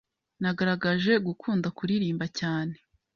nagaragaje gukunda kuririmba cyane